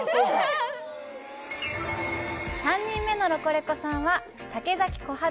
３人目のロコレコさんは竹崎コハダ